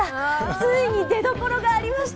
ついに出どころがありました。